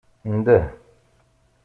Ndeh.